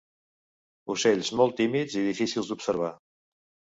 Ocells molt tímids i difícils d'observar.